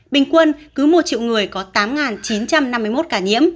bình quân cứ một triệu người có tám chín trăm năm mươi một ca nhiễm